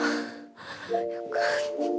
よかった。